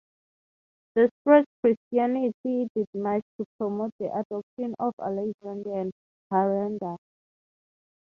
The spread of Christianity did much to promote the adoption of the Alexandrian calendar.